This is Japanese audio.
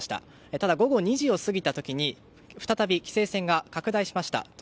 ただ、午後２時を過ぎた時再び規制線が拡大しました。